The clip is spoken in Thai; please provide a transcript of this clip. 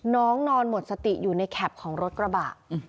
น้องนอนหมดสติอยู่ในแคปของรถกระบะ